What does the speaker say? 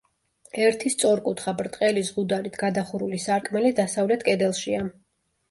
ერთი სწორკუთხა, ბრტყელი ზღუდარით გადახურული სარკმელი დასავლეთ კედელშია.